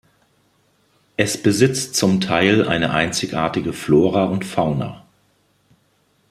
Es besitzt zum Teil eine einzigartige Flora und Fauna.